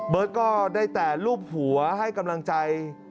ก็ได้แต่รูปหัวให้กำลังใจ